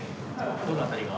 どの辺りが？